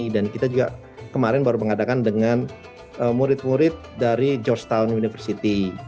dan kita juga kemarin baru mengadakan dengan murid murid dari georgetown university